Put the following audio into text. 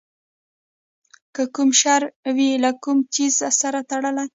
چې کوم شر وي له کوم څیز سره تړلی